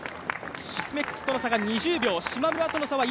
シスメックスとの差が２０秒です。